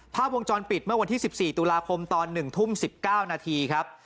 ภาพวงจรปิดเมื่อวันที่๑๔ตุลาคมตอน๑ทุ่ม๑๙นาทีครับ